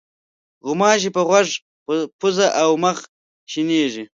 غوماشې په غوږ، پوزه او مخ شېنېږي.